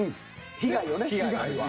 被害は。